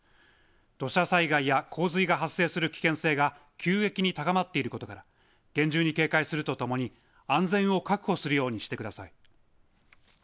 土砂災害や洪水が発生する危険性が急激に高まっていることから厳重に警戒するとともに安全を確保するようにしてください。